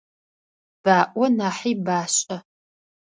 Баӏо нахьи башӏэ.